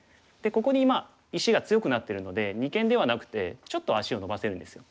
ここにまあ石が強くなってるので二間ではなくてちょっと足をのばせるんですよ。